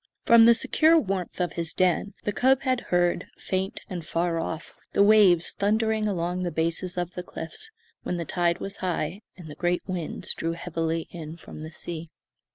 From the secure warmth of his den the cub had heard, faint and far off, the waves thundering along the bases of the cliffs, when the tide was high and the great winds drew heavily in from sea.